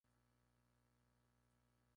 Lanusse la candidatura de Gral.